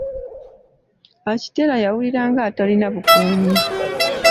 Akitela yawulira nga atalina bukuumi.